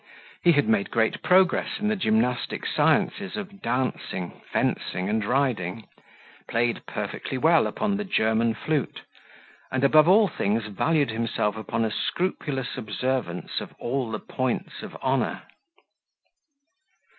He had made great progress in the gymnastic sciences of dancing, fencing, and riding; played perfectly well on the German flute; and, above all things valued himself upon a scrupulous observance of all the points of honour.